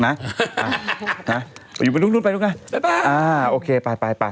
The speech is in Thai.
มาอยู่ตรงนู้นไปลูกโอเคไป